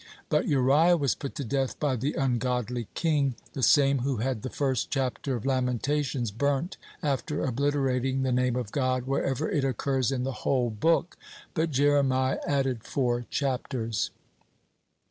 (14) But Uriah was put to death by the ungodly king, the same who had the first chapter of Lamentations burnt after obliterating the Name of God wherever it occurs in the whole book. But Jeremiah added four chapters.